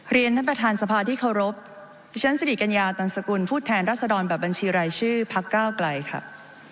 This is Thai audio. เรียนท่านประธานสภาที่เคารพดิฉันสิริกัญญาตันสกุลผู้แทนรัศดรแบบบัญชีรายชื่อพักก้าวไกลค่ะ